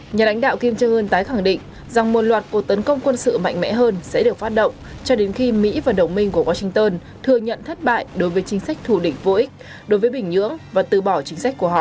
nhà lãnh đạo kim jong un tái khẳng định rằng một loạt cuộc tấn công quân sự mạnh mẽ hơn sẽ được phát động cho đến khi mỹ và đồng minh của washington thừa nhận thất bại đối với chính sách thù địch vô ích đối với bình nhưỡng và từ bỏ chính sách của họ